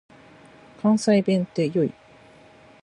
関西弁って良い。